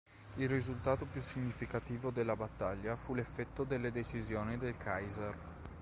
Il risultato più significativo della battaglia fu l'effetto delle decisioni del Kaiser.